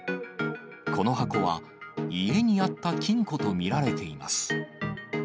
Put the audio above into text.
この箱は、家にあった金庫と見られています。